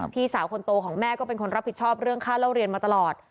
พี่สาวคนโตของแม่ก็เป็นคนรับผิดชอบเรื่องค่าเล่าเรียนมาตลอด